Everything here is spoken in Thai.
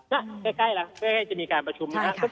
นะใกล้จะมีการประชุมนะครับ